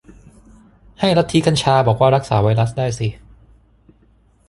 ให้ลัทธิกัญชาบอกว่ารักษาไวรัสได้สิ